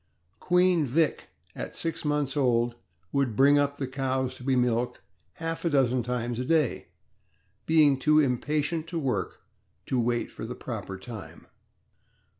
Queen Vick at six months old would bring up the cows to be milked half a dozen times a day, being too impatient to work to wait for the proper time.